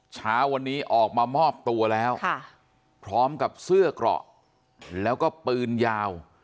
เช้าวันนี้ออกมามอบตัวแล้วพร้อมกับเสื้อเกราะแล้วก็ปืนยาว